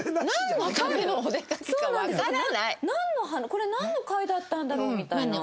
これなんの会だったんだろう？みたいな。